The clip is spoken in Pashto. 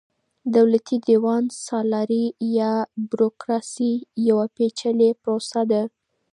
دولتي دېوان سالاري يا بروکراسي يوه پېچلې پروسه ده.